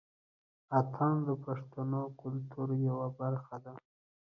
اتڼ د پښتنو کلتور يوه برخه دى.